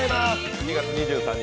１２月２３日